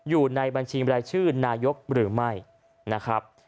อยู่ในบัญชีบรายชื่อนายกหรือไม่นะครับ